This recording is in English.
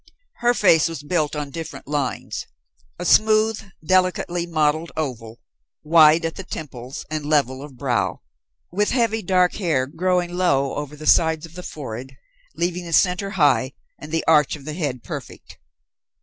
Her face was built on different lines: a smooth, delicately modeled oval, wide at the temples and level of brow, with heavy dark hair growing low over the sides of the forehead, leaving the center high, and the arch of the head perfect.